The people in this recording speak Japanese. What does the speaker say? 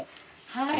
はい。